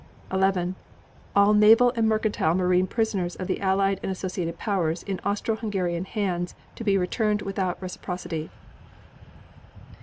11. All naval and mercantile marine prisoners of the Allied and associated Powers in Austro Hungarian hands to be returned without reciprocity.